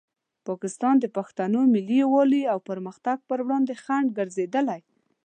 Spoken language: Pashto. پاکستان د پښتنو ملي یووالي او پرمختګ په وړاندې خنډ ګرځېدلی.